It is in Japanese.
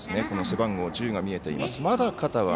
背番号１０が見えていました。